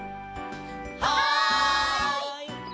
はい！